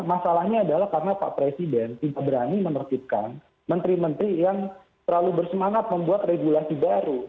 masalahnya adalah karena pak presiden tidak berani menertibkan menteri menteri yang terlalu bersemangat membuat regulasi baru